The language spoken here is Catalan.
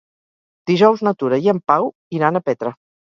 Dijous na Tura i en Pau iran a Petra.